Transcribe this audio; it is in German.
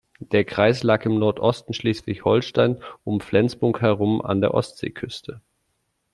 Der Kreis lag im Nordosten Schleswig-Holsteins um Flensburg herum an der Ostseeküste.